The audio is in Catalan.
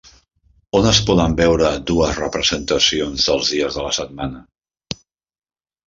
On es poden veure dues representacions dels dies de la setmana?